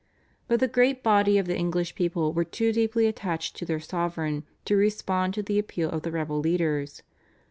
But the great body of the English people were too deeply attached to their sovereign to respond to the appeal of the rebel leaders.